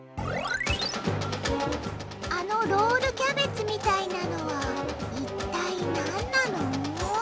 あのロールキャベツみたいなのはいったいなんなの？